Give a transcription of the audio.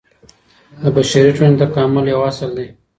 د بشري ټولني تکامل يو اصل دی.